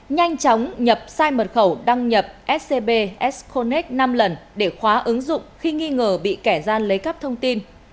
nhanh chóng nhập sai mật khẩu đăng nhập scb sconnic năm lần để khóa ứng dụng khi nghi ngờ bị kẻ gian lấy cắp thông tin